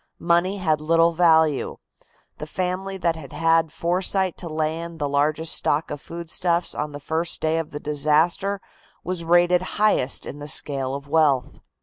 Money had little value. The family that had had foresight to lay in the largest stock of foodstuffs on the first day of disaster was rated highest in the scale of wealth.